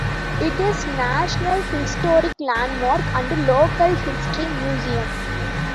It is a National Historic Landmark and local history museum.